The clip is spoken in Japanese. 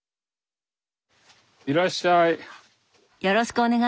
いらっしゃい。